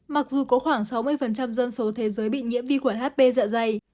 mặc dù có khoảng sáu mươi dân số thế giới bị nhiễm vi khuẩn hp dạ dày